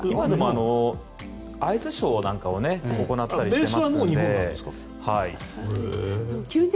アイスショーなんかを行ったりしていますので。